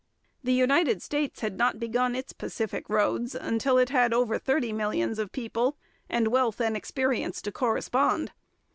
The United States had not begun its Pacific roads till it had over thirty millions of people, and wealth and experience to correspond.